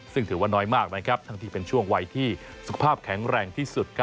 ซึ่งถือว่าน้อยมากทั้งที่เป็นช่วงวัยที่สุขภาพแข็งแรงที่สุด